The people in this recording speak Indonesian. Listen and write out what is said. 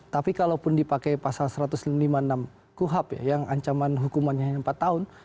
tapi kalaupun dipakai pasal satu ratus lima puluh enam kuhap ya yang ancaman hukumannya hanya empat tahun